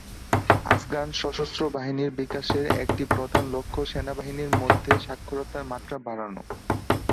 আফগান সশস্ত্র বাহিনীর বিকাশের একটি প্রধান লক্ষ্য সেনাবাহিনীর মধ্যে সাক্ষরতার মাত্রা বাড়ানো।